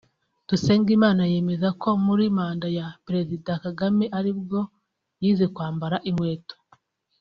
Dusengimana yemeza ko muri manda ya Perezida Kagame aribwo yize kwambara inkweto